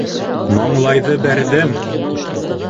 Маңлайҙы бәрҙем!